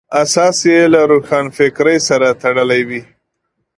اساس یې له روښانفکرۍ سره تړلی وي.